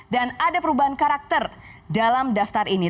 dan ada perubahan karakter dalam daftar ini